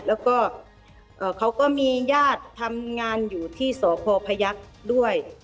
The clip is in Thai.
แล้วก็เขาก็มีญาติทำงานอยู่ที่สพพยักษ์ด้วย